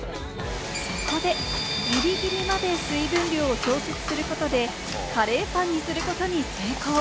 そこで、ギリギリまで水分量を調節することで、カレーパンにすることに成功。